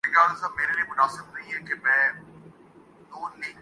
بالکل بے بس کھڑی تھی۔